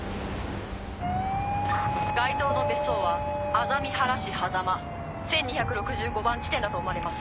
該当の別荘は薊原市はざま１２６５番地点だと思われます。